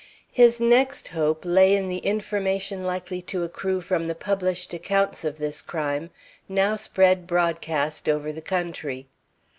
His next hope lay in the information likely to accrue from the published accounts of this crime, now spread broadcast over the country.